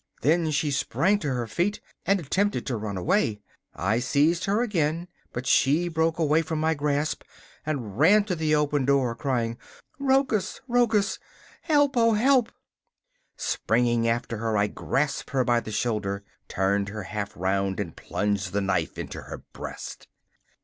Then she sprang to her feet and attempted to run away. I seized her again, but she broke away from my grasp and ran to the open door, crying: 'Rochus! Rochus! help, oh help!' Springing after her, I grasped her by the shoulder, turned her half round and plunged the knife into her breast.